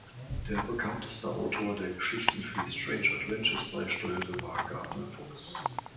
Der bekannteste Autor, der Geschichten für die "Strange Adventures" beisteuerte war Gardner Fox.